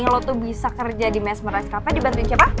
selama ini lo tuh bisa kerja di mesmerize cafe dibantuin siapa